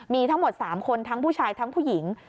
มีทั้งหมด๓คนทั้งผู้ชายทั้งผู้หญิง